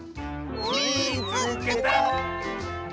「みいつけた！」。